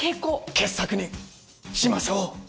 傑作にしましょう！